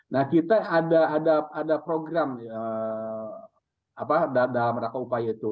nah kita ada program ada meraka upaya itu